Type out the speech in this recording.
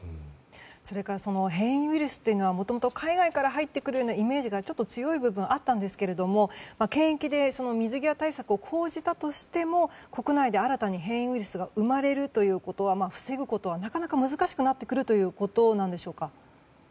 それから変異ウイルスというのはもともと海外から入ってくるイメージが強い部分もあったんですが検疫で水際対策を講じたとしても国内で新たに変異ウイルスが生まれるということは防ぐことはなかなか難しくなるんでしょうか。